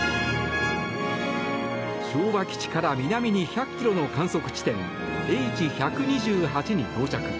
昭和基地から南に１００ｋｍの観測地点、Ｈ１２８に到着。